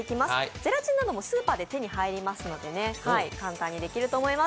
ゼラチンなどもスーパーで手に入りますので簡単にできると思います。